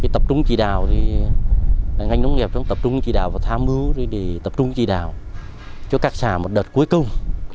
tập trung chỉ đạo ngành nông nghiệp tập trung chỉ đạo và tham mưu để tập trung chỉ đạo cho các xã một đợt cuối cùng